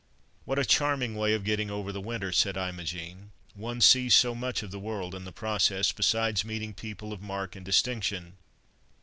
"What a charming way of getting over the winter," said Imogen. "One sees so much of the world in the process, besides meeting people of mark and distinction.